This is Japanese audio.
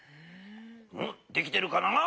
できてるかな？